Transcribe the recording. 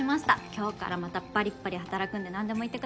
今日からまたバリバリ働くんでなんでも言ってください。